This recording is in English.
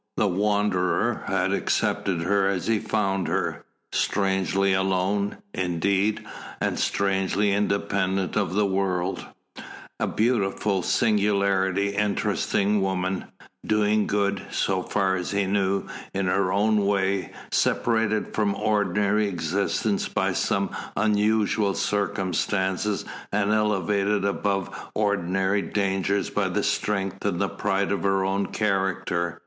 The Wanderer had accepted her as he found her, strangely alone, indeed, and strangely independent of the world, a beautiful, singularly interesting woman, doing good, so far as he knew, in her own way, separated from ordinary existence by some unusual circumstances, and elevated above ordinary dangers by the strength and the pride of her own character.